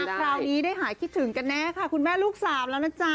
สงสารแบบนี้คลาวนี้ได้ค่ะคนแม่ลูกศาพนะจ๊ะ